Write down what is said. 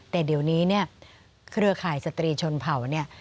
แต่เดี๋ยวนี้เครือข่ายสตรีชนเผ่า